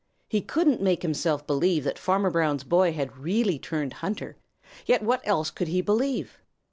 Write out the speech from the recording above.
He couldn't make himself believe that Farmer Brown's boy had really turned hunter, yet what else could he believe?